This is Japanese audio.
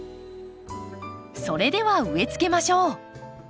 それでは植えつけましょう。